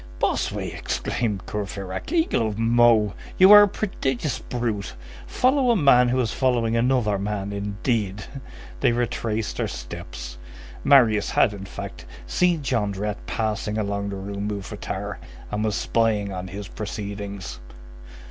"Bossuet!" exclaimed Courfeyrac, "eagle of Meaux! You are a prodigious brute. Follow a man who is following another man, indeed!" They retraced their steps. Marius had, in fact, seen Jondrette passing along the Rue Mouffetard, and was spying on his proceedings.